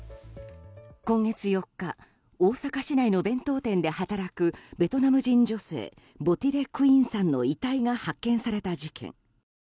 今月４日大阪市内の弁当店で働くベトナム人女性ヴォ・ティ・レ・クインさんの遺体が発見された事件。